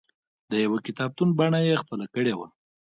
د یوه کتابتون بڼه یې خپله کړې وه.